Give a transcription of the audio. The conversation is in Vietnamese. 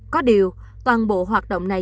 có điều toàn bộ hoạt động này